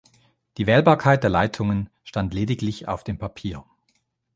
Die Wählbarkeit der Leitungen stand lediglich auf dem Papier.